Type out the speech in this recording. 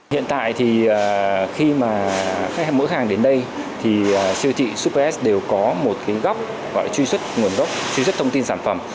hiện tại khi mỗi khách hàng đến đây thì siêu thị super s đều có một góc gọi truy xuất nguồn gốc truy xuất thông tin sản phẩm